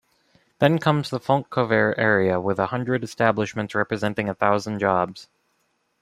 Then comes the Fontcouverte area with a hundred establishments representing a thousand jobs.